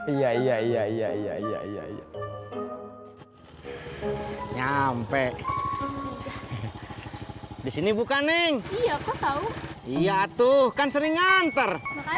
iya iya iya iya iya iya nyampe disini bukan neng iya kau tahu iya tuh kan sering nganter